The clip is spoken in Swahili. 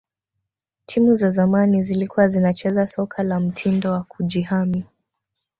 timu za zamani zilikuwa zinacheza soka la mtindo wa kujihami